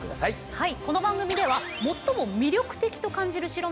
はい。